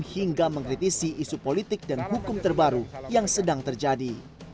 hingga mengkritisi isu politik dan hukum terbaru yang sedang terjadi